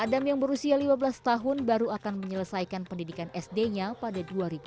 adam yang berusia lima belas tahun baru akan menyelesaikan pendidikan sd nya pada dua ribu dua puluh